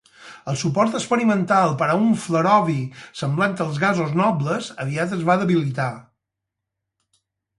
El suport experimental per a un flerovi semblant als gasos nobles aviat es va debilitar.